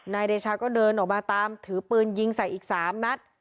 นายเดชาก็เดินออกมาตามถือปืนยิงใส่อีก๓นัด